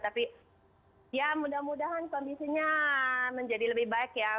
tapi ya mudah mudahan kondisinya menjadi lebih baik ya